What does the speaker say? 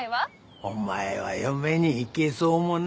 お前は嫁にいけそうもないな。